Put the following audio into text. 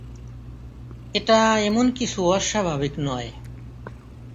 এটা এমন কিছু অস্বাভাবিক নয়।